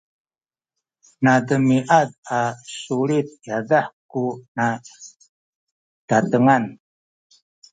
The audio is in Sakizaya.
nademiad a sulit yadah ku nazatengan